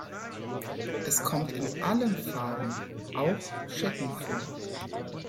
Es kommt in allen Farben, auch Schecken, vor.